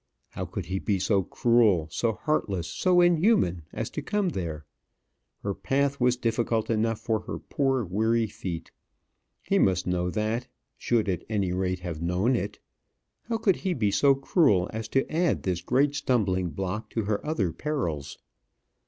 How could he be so cruel, so heartless, so inhuman as to come there? Her path was difficult enough for her poor weary feet. He must know that should, at any rate, have known it. How could he be so cruel as to add this great stumbling block to her other perils?